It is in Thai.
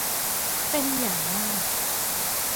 เป็นอย่างมาก